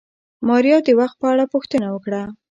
ماريا د وخت په اړه پوښتنه وکړه.